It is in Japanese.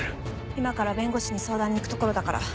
今から弁護士に相談に行くところだから。